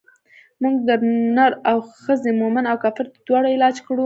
موږ د نر او ښځې مومن او کافر د دواړو علاج کړو.